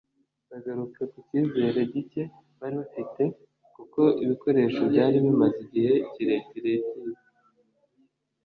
bagarukaga ku cyizere gike bari bafite kuko ibikoresho byari bimaze igihe kirekire byibwe